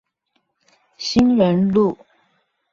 興仁路